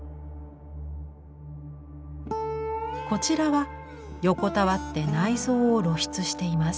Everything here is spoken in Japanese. こちらは横たわって内臓を露出しています。